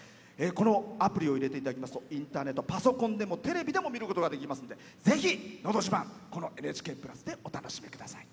このアプリを入れていただきますとインターネット、パソコンでもテレビでも見ることができますのでぜひ「のど自慢」この「ＮＨＫプラス」でお楽しみください。